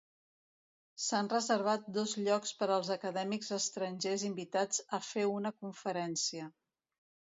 S'han reservat dos llocs per als acadèmics estrangers invitats a fer una conferència.